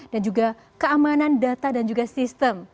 dan juga keamanan data dan juga sistem